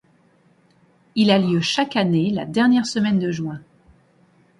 Il a lieu chaque année, la dernière semaine de juin.